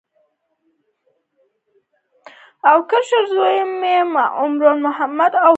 او کشر زوی مې عمر محمد و هغه به اتلس کلن و.